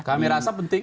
kami rasa penting